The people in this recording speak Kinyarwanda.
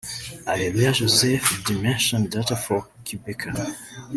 Areruya Joseph (Dimension Data for Qhubeka)